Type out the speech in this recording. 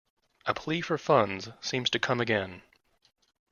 A plea for funds seems to come again.